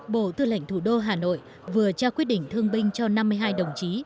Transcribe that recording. bộ tư lệnh thủ đô hà nội vừa trao quyết định thương binh cho năm mươi hai đồng chí